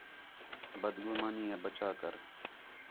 بد گُمانی آ بچا کر